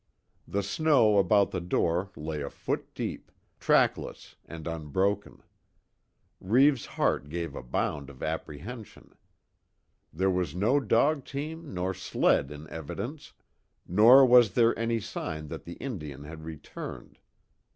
The snow about the door lay a foot deep, trackless and unbroken. Reeves' heart gave a bound of apprehension. There was no dog team nor sled in evidence, nor was there any sign that the Indian had returned.